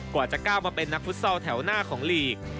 กว่าจะก้าวมาเป็นนักฟุตซอลแถวหน้าของลีก